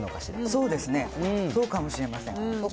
そうかもしれません。